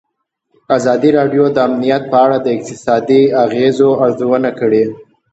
ازادي راډیو د امنیت په اړه د اقتصادي اغېزو ارزونه کړې.